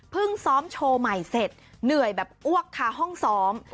ซ้อมโชว์ใหม่เสร็จเหนื่อยแบบอ้วกคาห้องซ้อม